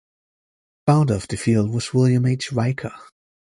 The founder of the field was William H. Riker.